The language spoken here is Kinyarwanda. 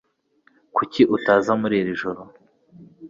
Kuki utaza muri iri joro